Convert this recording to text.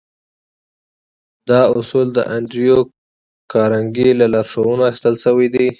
دا اصول د انډريو کارنګي له لارښوونو اخيستل شوي دي.